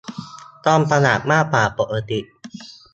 ต้องประหยัดมากกว่าปกติ